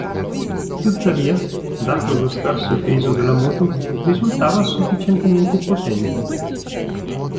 Tuttavia, dato lo scarso peso della moto, risultava sufficientemente potente.